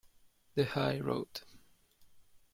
The High Road